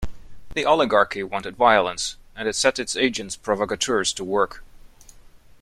The Oligarchy wanted violence, and it set its agents provocateurs to work.